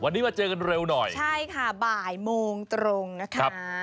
วันนี้มาเจอกันเร็วหน่อยใช่ค่ะบ่ายโมงตรงนะคะ